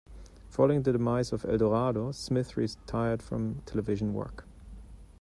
Following the demise of "Eldorado", Smith retired from television work.